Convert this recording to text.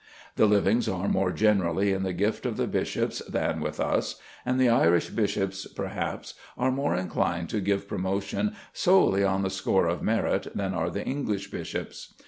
The livings are more generally in the gift of the bishops than with us, and the Irish bishops, perhaps, are more inclined to give promotion solely on the score of merit than are the English bishops.